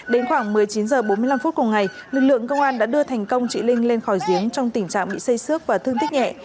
đến khoảng một mươi chín h bốn mươi năm phút cùng ngày lực lượng công an đã đưa thành công chị linh lên khỏi giếng trong tình trạng bị xây xước và thương tích nhẹ